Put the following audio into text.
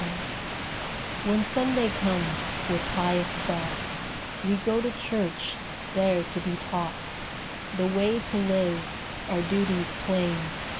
'" Copyrighted, 18U7 c^^aHEN Sunday comes, with pious thought We go to church, there to be taught The way to live, our duties plain.